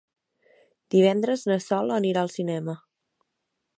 Divendres na Sol anirà al cinema.